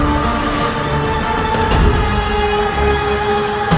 menyalurkan hawa murah kepada